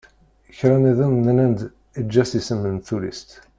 Kra nniḍen nnan-d eg-as isem n tullist.